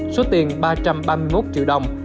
số tiền ba trăm ba mươi một triệu đồng